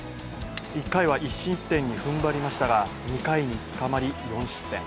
１回は１失点に踏ん張りますが２回につかまり４失点。